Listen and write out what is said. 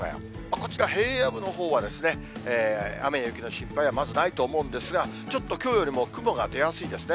こちら、平野部のほうはですね、雨や雪の心配はまずないと思うんですが、ちょっときょうよりも雲が出やすいですね。